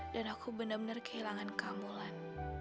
dan aku benar benar kehilangan kamu alain